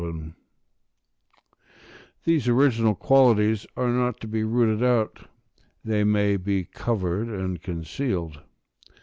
] these original qualities are not to be rooted out; they may be covered and concealed.